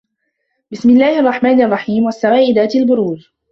بِسمِ اللَّهِ الرَّحمنِ الرَّحيمِ وَالسَّماءِ ذاتِ البُروجِ